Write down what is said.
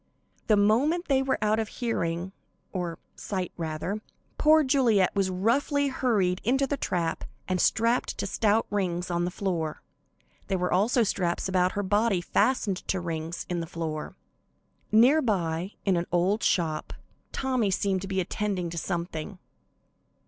The moment they were out of hearing (or sight, rather) poor Juliet was roughly hurried into the trap and strapped to stout rings in the floor. There were also straps about her body fastened to rings in the floor. Near by, in an old shop, Tommy seemed to be attending to something.